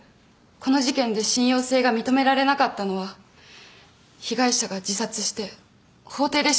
この事件で信用性が認められなかったのは被害者が自殺して法廷で証言できていないからだよ。